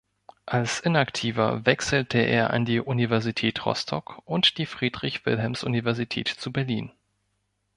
Als Inaktiver wechselte er an die Universität Rostock und die Friedrich-Wilhelms-Universität zu Berlin.